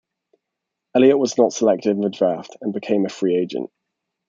Elliott was not selected in the draft and became a free agent.